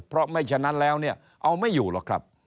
เพราะไม่ฉะนั้นแล้วเนี่ยเอาไม่อยู่หรอกครับ